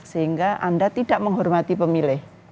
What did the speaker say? sehingga anda tidak menghormati pemilih